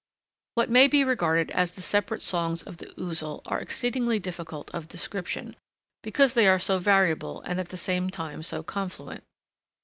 What may be regarded as the separate songs of the Ouzel are exceedingly difficult of description, because they are so variable and at the same time so confluent.